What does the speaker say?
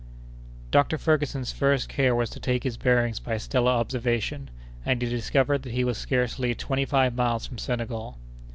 Doctor Ferguson's first care was to take his bearings by stellar observation, and he discovered that he was scarcely twenty five miles from Senegal.